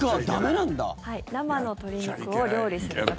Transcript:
生の鶏肉を料理する時。